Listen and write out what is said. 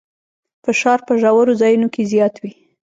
فشار په ژورو ځایونو کې زیات وي.